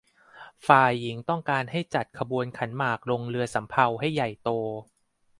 ฝ่ายหญิงต้องการให้จัดขบวนขันหมากลงเรือสำเภาให้ใหญ่โต